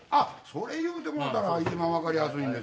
それ言うてもらったら一番分かりやすいんですよ。